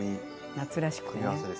夏らしくてね。